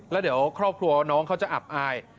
แล้วเดี๋ยวครอบครัวน้องเขาจะอับอาย